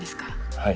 はい。